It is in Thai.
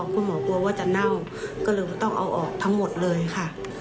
คุณหมอกลัวว่าจะเน่าก็เลยต้องเอาออกทั้งหมดเลยค่ะ